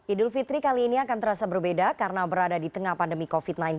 idul fitri kali ini akan terasa berbeda karena berada di tengah pandemi covid sembilan belas